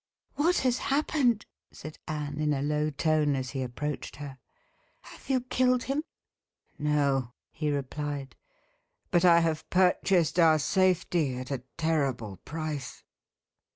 "What has happened?" said Anne, in a low tone, as he approached her. "Have you killed him?" "No," he replied; "but I have purchased our safety at a terrible price."